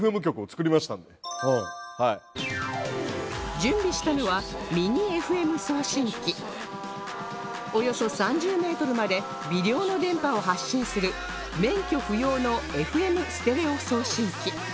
準備したのはおよそ３０メートルまで微量の電波を発信する免許不要の ＦＭ ステレオ送信機